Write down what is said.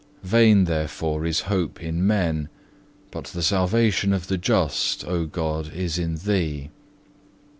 Vain therefore is hope in men, but the salvation of the just, O God, is in Thee.